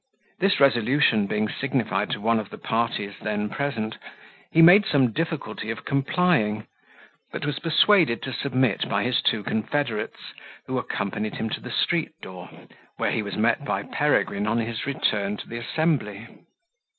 This resolution being signified to one of the parties then present, he made some difficulty of complying, but was persuaded to submit by his two confederates, who accompanied him to the street door, where he was met by Peregrine on his return to the assembly.